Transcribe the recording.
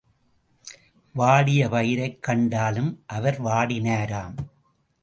வாடிய பயிரைக் கண்டாலும் அவர் வாடினாராம்.